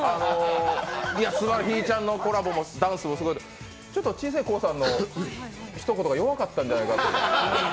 ひぃちゃんのコラボのダンスもすごかった、ちょっと、ちぃせえｋｏｏさんのひと言が弱かったんじゃないかと。